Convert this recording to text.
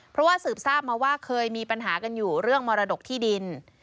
เพราะว่าสืบทราบมาว่าเคยมีปัญหากันอยู่เรื่องมรดกที่ดิน